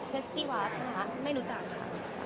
เซ็สซี่วาซไม่รู้จักค่ะ